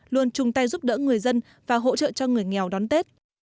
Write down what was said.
luôn chung tay giúp đỡ người dân và hỗ trợ cho người nghèo đón tết